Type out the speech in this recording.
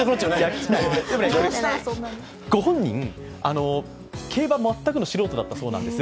ご本人、競馬全くの素人だったそうなんです。